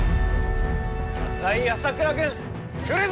浅井朝倉軍来るぞ！